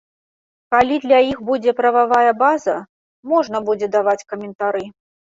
Калі для іх будзе прававая база, можна будзе даваць каментары.